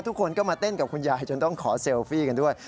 ทุกคนก็มาเต้นกับคุณยายจนต้องขอเซลฟี่กันด้วย